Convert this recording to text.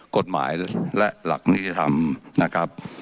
กฎหมายและหลักนิติธรรมนะครับ